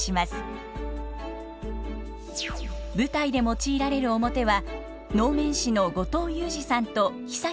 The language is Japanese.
舞台で用いられる面は能面師の後藤祐自さんと尚志さん